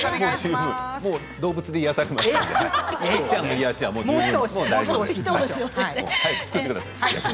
もう動物で癒やされました。